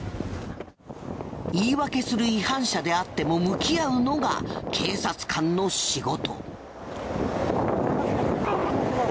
言い訳する違反者であっても向き合うのが警察官の仕事。